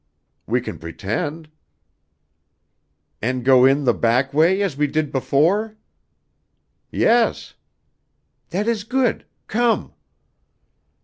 "We can pretend." "And go in the back way as we did before?" "Yes." "That is good. Come."